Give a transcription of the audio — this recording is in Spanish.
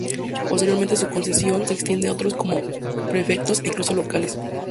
Posteriormente su concesión se extiende a otros como prefectos e incluso alcaldes.